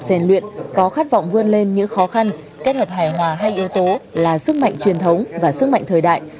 rèn luyện có khát vọng vươn lên những khó khăn kết hợp hài hòa hai yếu tố là sức mạnh truyền thống và sức mạnh thời đại